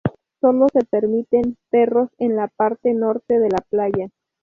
Solo se permiten perros en la parte norte de la playa.